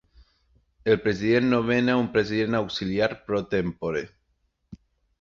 El president nomena un president auxiliar pro tempore.